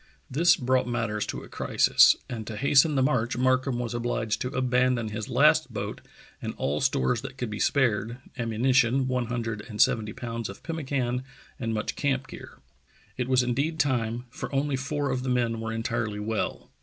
This brought matters to a crisis, and to hasten the march Markham was obliged to abandon his last boat and all stores that could be spared, ammunition, one hundred and sev enty pounds of pemmican, and much camp gear. It 258 True Tales of Arctic Heroism was indeed time, for only four of the men were en tirely well.